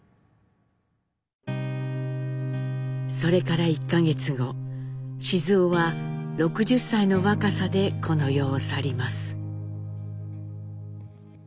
それから１か月後雄は６０歳の若さでこの世を去ります。